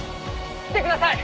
「来てください！」